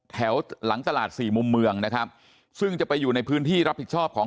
หลังตลาดสี่มุมเมืองนะครับซึ่งจะไปอยู่ในพื้นที่รับผิดชอบของ